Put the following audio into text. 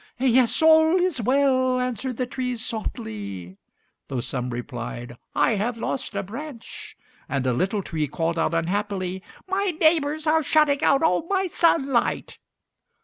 "Yes, all is well," answered the trees softly. Though some replied, "I have lost a branch"; and a little tree called out unhappily, "My neighbors are shutting out all my sunlight."